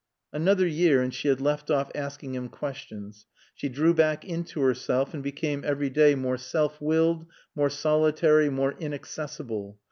Another year and she had left off asking him questions. She drew back into herself and became every day more self willed, more solitary, more inaccessible.